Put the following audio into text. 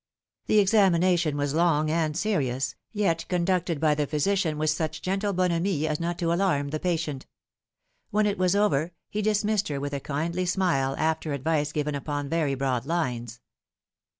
The examination was long and serious, yet conducted by the physician with such gentle bonhomie as not to alarm the patient. When it was over, he dismissed her with a kindly smile, after advice given upon very broad lines.